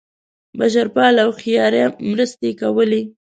بشرپاله او خیریه مرستې کولې.